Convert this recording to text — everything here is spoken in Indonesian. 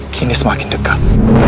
kini semakin dekat